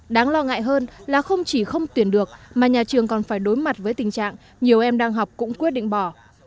đáng lo ngại hơn là không chỉ không tuyển được mà nhà trường còn phải đối mặt với tình trạng nhiều em đang học cũng quyết định bỏ